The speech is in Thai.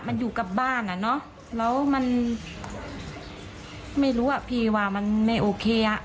มันอยู่กับบ้านอ่ะเนอะแล้วมันไม่รู้อ่ะพี่ว่ามันไม่โอเคอ่ะ